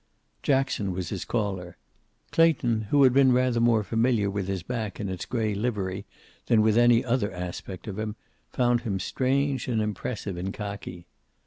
Jackson was his caller. Clayton, who had been rather more familiar with his back in its gray livery than with any other aspect of him, found him strange and impressive in khaki.